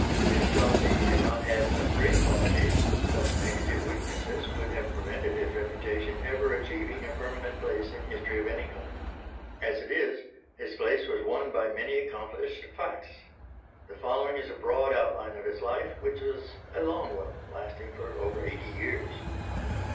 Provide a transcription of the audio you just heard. If John Dee had not had some great qualities, such negative weaknesses would have prevented his reputation ever achieving a permanent place in history of any kind. As it is his place was won by many accomplished facts. The following is a broad outline of his life, which was a long one lasting for over eighty years.